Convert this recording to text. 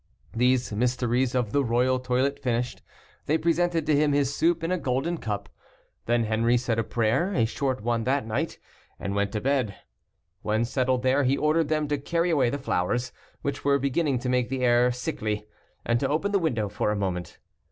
These mysteries of the royal toilet finished, they presented to him his soup in a golden cup. Then Henri said a prayer, a short one that night, and went to bed. When settled there, he ordered them to carry away the flowers, which were beginning to make the air sickly, and to open the window for a moment.